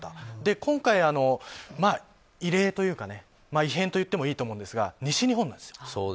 今回、異例というか異変と言ってもいいと思うんですが西日本なんです。